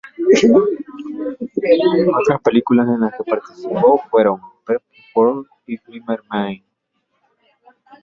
Otras películas, en las que participó fueron "Perfect World" y "Glimmer Man".